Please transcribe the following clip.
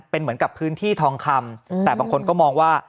เป็นเหมือนกับพื้นที่ทองคำแต่บางคนก็มองว่า